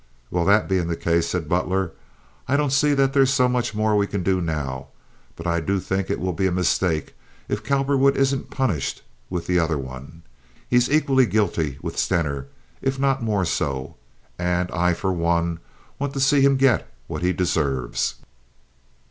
"Well, that bein' the case," said Butler, "I don't see that there's so much more we can do now; but I do think it will be a mistake if Cowperwood isn't punished with the other one. He's equally guilty with Stener, if not more so, and I for one want to see him get what he deserves.